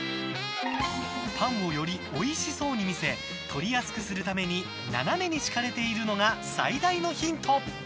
パンをよりおいしそうに見せ取りやすくするために斜めに敷かれているのが最大のヒント。